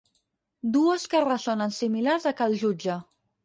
Dues que ressonen similars a cal jutge.